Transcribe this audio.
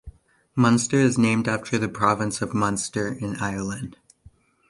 Munster is named after the province of Munster, in Ireland.